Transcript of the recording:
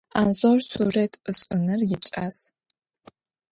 Анзор сурэт ышӏыныр икӏас.